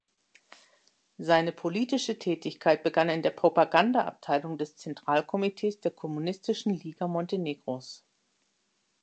Seine politische Tätigkeit begann in der Propagandaabteilung des Zentralkomitees der Kommunistischen Liga Montenegros.